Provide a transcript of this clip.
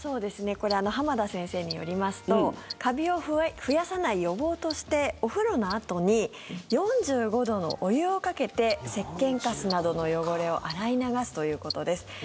これ、浜田先生によりますとカビを増やさない予防としてお風呂のあとに４５度のお湯をかけてせっけんかすなどの汚れを洗い流すということです。